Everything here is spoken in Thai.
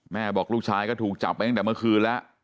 บอกลูกชายก็ถูกจับไว้ตั้งแต่เมื่อคืนแล้ว